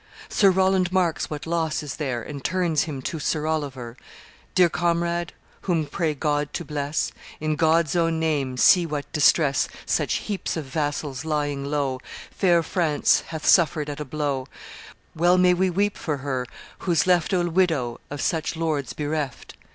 Sir Roland marks what loss is there, And turns him to Sir Oliver 'Dear comrade, whom pray God to bless, In God's own name see what distress Such heaps of vassals lying low Fair France hath suffered at a blow Well may we weep for her, who's left A widow, of such lords bereft!